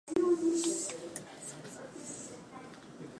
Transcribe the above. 飛べば飛べるよ